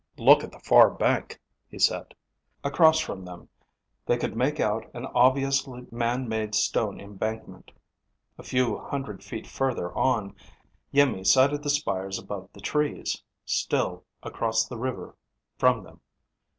"Look at the far bank," he said. Across from them, they could make out an obviously man made stone embankment. A few hundred feet further on, Iimmi sighted the spires above the trees, still across the river from them.